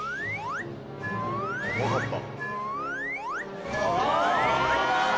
分かった。